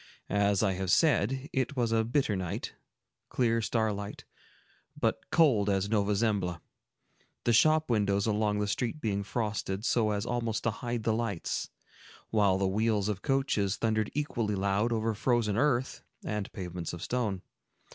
As I have said, it was a bitter night, clear starlight, but cold as Nova Zembla,—the shop windows along the street being frosted, so as almost to hide the lights, while the wheels of coaches thundered equally loud over frozen earth and pavements of stone.